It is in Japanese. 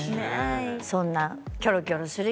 そんなキョロキョロする